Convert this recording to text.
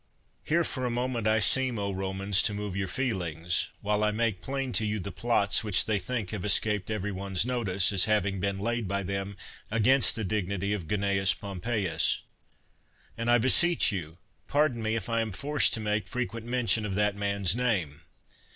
Here for a moment I seem, O Romans, to move your feelings, while I make plain to you the plots which they think have escaped every one's no CICERO tice, as having been laid by them against the dignity of CnaBus Pompeius. And, I beseech you, pardon me if I am forced to make frequent mention of that man's name.